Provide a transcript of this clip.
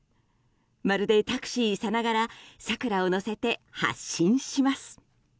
まるでタクシーさながらサクラを乗せて発進します。